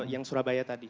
yang surabaya tadi